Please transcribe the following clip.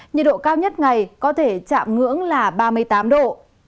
nhiệt độ cao nhất ngày có thể chạm ngưỡng là ba mươi tám độ